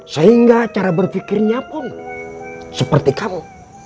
sehingga cara berpikirnya pun seperti kamu